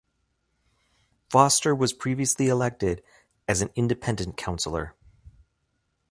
Foster was previously elected as an Independent Councillor.